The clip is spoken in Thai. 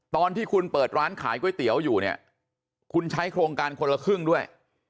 ตอนที่คุณเปิดร้านขายก๋วยเตี๋ยวอยู่เนี่ยคุณใช้โครงการคนละครึ่งด้วย